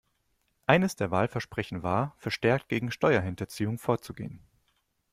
Eines der Wahlversprechen war, verstärkt gegen Steuerhinterziehung vorzugehen.